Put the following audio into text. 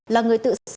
là người tự nhiên